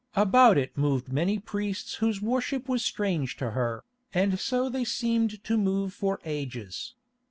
About it moved many priests whose worship was strange to her, and so they seemed to move for ages.